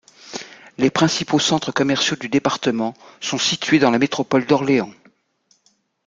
Les principaux centres commerciaux du département sont situés dans la Métropole d'Orléans.